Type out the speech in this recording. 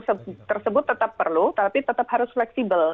proses tersebut tetap perlu tapi tetap harus fleksibel